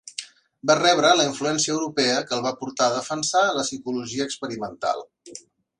Va rebre la influència europea que el va portar a defensar la Psicologia experimental.